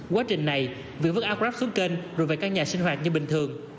quá trình này việt vứt áo grab xuống kênh rồi về căn nhà sinh hoạt như bình thường